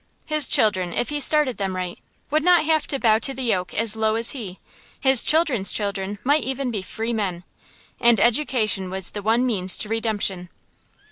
His children, if he started them right, would not have to bow to the yoke as low as he; his children's children might even be free men. And education was the one means to redemption.